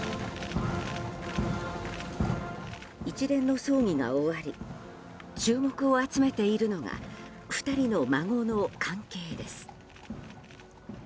一連の葬儀が終わり注目を集めているのが２人の孫の関係です。